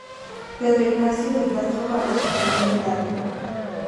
Pedro Ignacio de Castro Barros, el Gral.